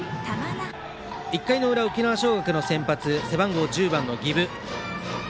１回の裏、沖縄尚学の先発は背番号１０番の儀部。